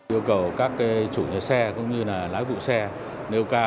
yêu cầu các chủ nhà xe cũng như là lái vụ xe